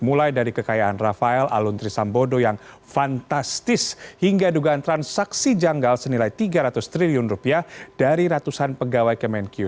mulai dari kekayaan rafael aluntri sambodo yang fantastis hingga dugaan transaksi janggal senilai tiga ratus triliun rupiah dari ratusan pegawai kemenku